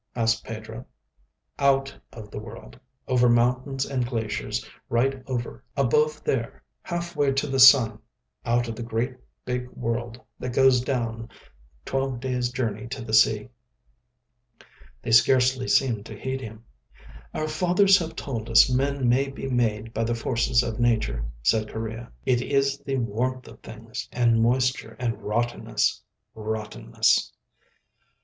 asked Pedro. "Out of the world. Over mountains and glaciers; right over above there, half way to the sun. Out of the great, big world that goes down, twelve days' journey to the sea." They scarcely seemed to heed him. "Our fathers have told us men may be made by the forces of Nature," said Correa. "It is the warmth of things, and moisture, and rottenness—rottenness."